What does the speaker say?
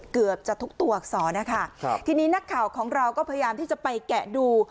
เกือบจะทุกตัวอักษรนะคะครับทีนี้นักข่าวของเราก็พยายามที่จะไปแกะดู